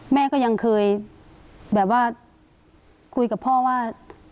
แม่ก็ยังเคยแบบว่าคุยกับพ่อว่า